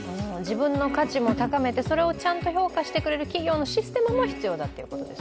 自分の価値も高めて、それをちゃんと評価してくれる企業のシステムも大事だと。